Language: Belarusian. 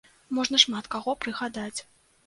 Можна шмат каго прыгадаць.